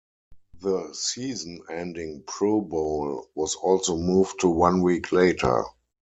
The season-ending Pro Bowl was also moved to one week later.